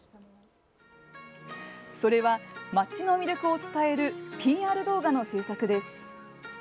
それは、町の魅力を伝えるＰＲ動画の制作です。